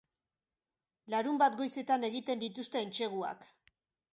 Larunbat goizetan egiten dituzte entseguak.